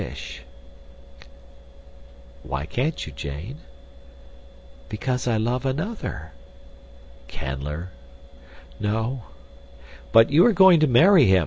"Why can't you, Jane?" "Because I love another." "Canler?" "No." "But you are going to marry him.